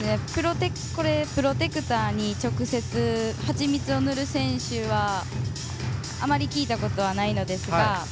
プロテクターに直接蜂蜜を塗る選手はあまり聞いたことはないのですが。